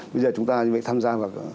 bây giờ chúng ta phải tham gia vào